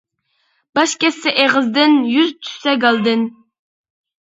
باش كەتسە ئېغىزدىن، يۈز چۈشسە گالدىن.